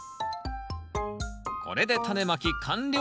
これでタネまき完了！